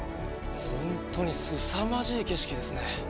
ほんとにすさまじい景色ですね。